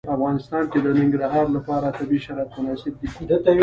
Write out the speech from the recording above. په افغانستان کې د ننګرهار لپاره طبیعي شرایط مناسب دي.